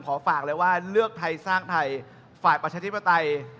ขอฝากเลยว่าเลือกไทยสร้างไทยฝ่ายประชาธิปไตย